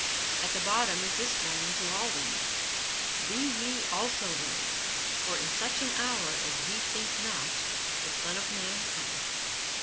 At the bottom is this warning to all women: "Be ye also ready; for in such an hour as ye think not the Son of Man cometh."